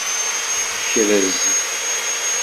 Krez.